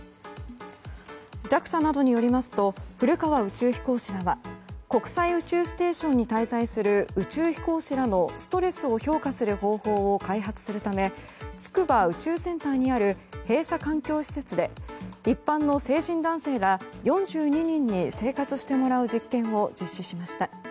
ＪＡＸＡなどによりますと古川宇宙飛行士らは国際宇宙ステーションに滞在する宇宙飛行士らのストレスを評価する方法を開発するため筑波宇宙センターにある閉鎖環境施設で一般の成人男性ら４２人に生活してもらう実験を実施しました。